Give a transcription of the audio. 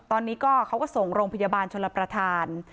ตอนนี้ก็เขาก็ส่งโรงพยาบาลชลประธาน